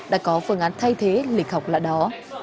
đã có phương án thay thế lịch học lại đó